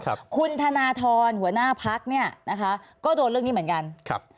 คุณธนาธรหัวหน้าพรรคเนี่ยนะคะก็โดนเรื่องนี้เหมือนกัน